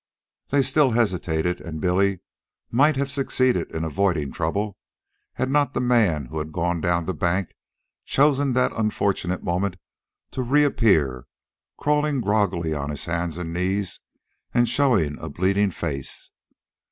They still hesitated, and Billy might have succeeded in avoiding trouble had not the man who had gone down the bank chosen that unfortunate moment to reappear, crawling groggily on hands and knees and showing a bleeding face.